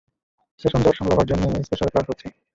Session জট সামলাবার জন্যে স্পেশাল ক্লাস হচ্ছে।